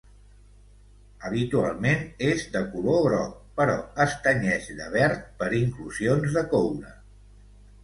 Habitualment és de color groc, però es tenyeix de verd per inclusions de coure.